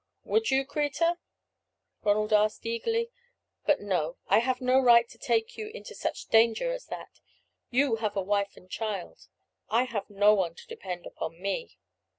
"Would you, Kreta?" Ronald asked, eagerly. "But no, I have no right to take you into such danger as that. You have a wife and child; I have no one to depend upon me."